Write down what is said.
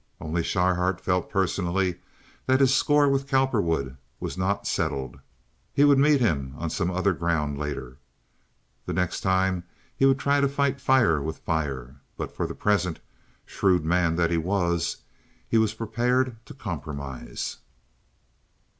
Only Schryhart felt personally that his score with Cowperwood was not settled. He would meet him on some other ground later. The next time he would try to fight fire with fire. But for the present, shrewd man that he was, he was prepared to compromise.